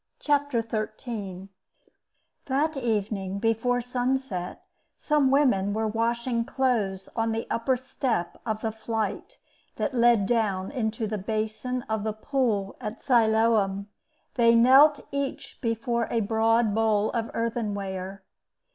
CHAPTER XIII That evening, before sunset, some women were washing clothes on the upper step of the flight that led down into the basin of the Pool of Siloam. They knelt each before a broad bowl of earthenware.